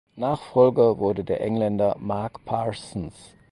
Nachfolger wurde der Engländer Mark Parsons.